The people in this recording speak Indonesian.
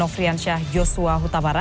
belas tambah delapan